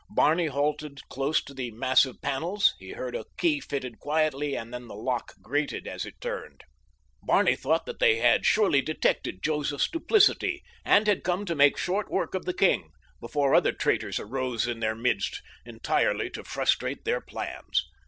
Barney halted close to the massive panels. He heard a key fitted quietly and then the lock grated as it turned. Barney thought that they had surely detected Joseph's duplicity and had come to make short work of the king before other traitors arose in their midst entirely to frustrate their plans.